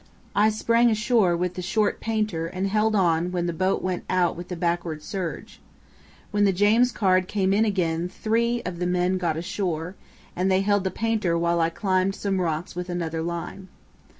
I sprang ashore with the short painter and held on when the boat went out with the backward surge. When the James Caird came in again three of the men got ashore, and they held the painter while I climbed some rocks with another line.